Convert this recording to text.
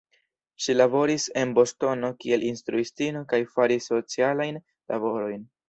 Ŝi laboris en Bostono kiel instruistino kaj faris socialajn laborojn.